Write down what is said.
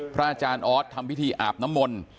อาจารย์ออสทำพิธีอาบน้ำมนต์